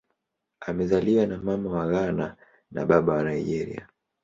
Amezaliwa na Mama wa Ghana na Baba wa Nigeria.